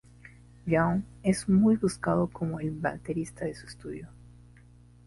Young es muy buscado como el baterista de estudio.